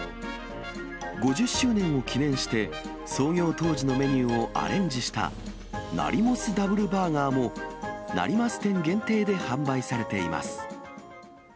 ５０周年を記念して創業当時のメニューをアレンジした、なりもす・ダブルバーガーも成増店限定で販売されています。